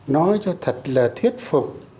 nói cho thật là thuyết phục